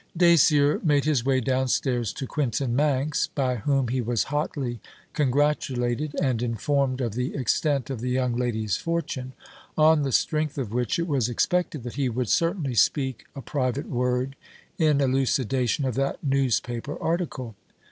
Dacier made his way downstairs to Quintin Manx, by whom he was hotly congratulated and informed of the extent of the young lady's fortune: on the strength of which it was expected that he would certainly speak a private word in elucidation of that newspaper article.